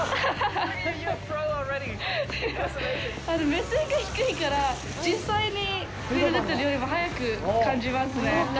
目線が低いから、実際にスピード出てるよりも速く感じますね。